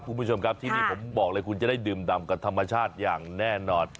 คุณผู้ชมครับที่นี่ผมบอกเลยคุณจะได้ดื่มดำกับธรรมชาติอย่างแน่นอน